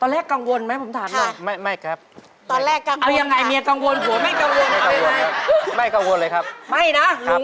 ตอนแรกกังวลไหมผมถามบ้าง